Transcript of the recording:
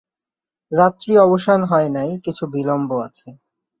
রাত্রি অবসান হয় নাই, কিছু বিলম্ব আছে।